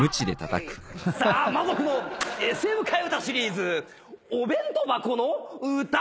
さあ魔族のＳＭ替え歌シリーズ「『お弁当箱の歌』